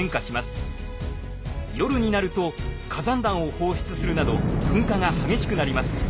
夜になると火山弾を放出するなど噴火が激しくなります。